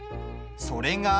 それが。